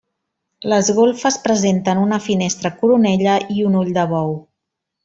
Les golfes presenten una finestra coronella i un ull de bou.